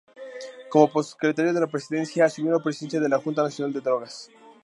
Como Prosecretario de la Presidencia asumió la presidencia de la Junta Nacional de Drogas.